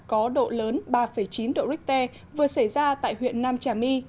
có độ lớn ba chín độ richter vừa xảy ra tại huyện nam trà my